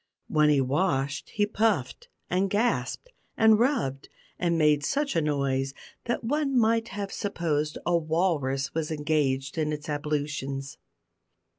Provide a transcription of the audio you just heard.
When he washed he puffed, and gasped, and rubbed, and made such a noise, that one might have supposed a walrus was engaged in its ablutions.